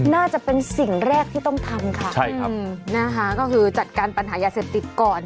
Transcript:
น่าจะเป็นสิ่งแรกที่ต้องทำค่ะใช่ครับนะคะก็คือจัดการปัญหายาเสพติดก่อน